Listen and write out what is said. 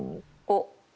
おっ。